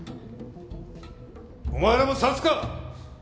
お前らもさつか！？